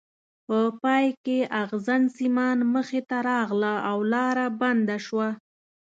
په پای کې ازغن سیمان مخې ته راغله او لاره بنده شوه.